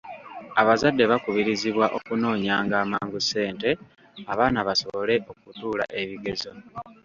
Abazadde bakubirizibwa okunoonyanga amangu ssente abaana basobole okutuula ebigezo.